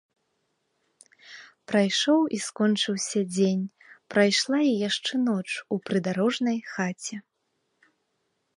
Прайшоў і скончыўся дзень, прайшла і яшчэ ноч у прыдарожнай хаце.